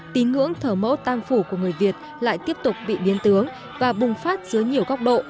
tín ngưỡng thờ mẫu tam phủ của người việt lại tiếp tục bị biến tướng và bùng phát dưới nhiều góc độ